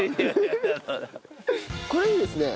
これいいですね。